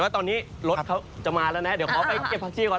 แล้วตอนนี้รถเขาจะมาละดี๋ยวเขาไปเก็บฝั่งจีก่อน